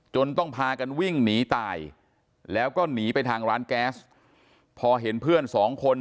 จนต้องพากันวิ่งหนีตายแล้วก็หนีไปทางร้านแก๊ส